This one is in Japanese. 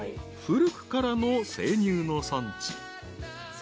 古くからの生乳の産地］